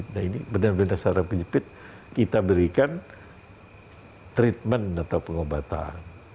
nah ini benar benar secara menyepit kita berikan treatment atau pengobatan